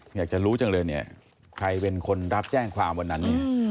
อยากจะรู้จังเลยเนี่ยใครเป็นคนรับแจ้งความวันนั้นเนี่ย